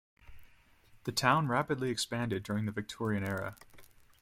The town rapidly expanded during the Victorian era.